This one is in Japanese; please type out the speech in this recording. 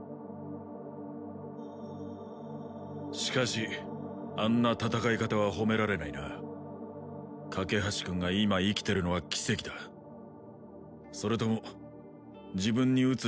しかしあんな戦い方は褒められないな架橋君が今生きてるのは奇跡だそれとも自分に撃つ